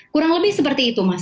kurang lebih seperti itu mas